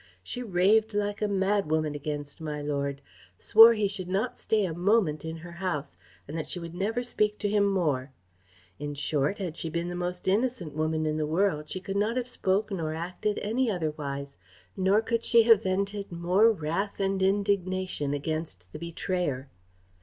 She raved like a mad woman against my lord, swore he should not stay a moment in her house, and that she would never speak to him more. In short, had she been the most innocent woman in the world, she could not have spoke nor acted any otherwise, nor could she have vented more wrath and indignation against the betrayer.